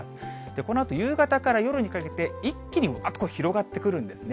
このあと夕方から夜にかけて、一気にうわーっと広がってくるんですね。